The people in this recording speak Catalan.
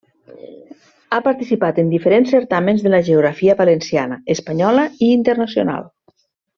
Ha participat en diferents certàmens de la geografia valenciana, espanyola i internacional.